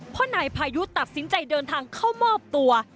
เพราะนายพายุตัดสินใจเดินทางเข้ามอบตัว